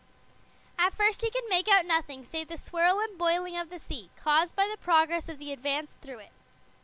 At first he could make out nothing save the swirl and boiling of the sea, caused by the progress of the Advance through it.